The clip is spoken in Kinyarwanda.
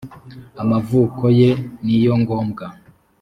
amavuko ye niyongombwa.